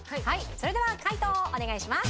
それでは解答をお願いします。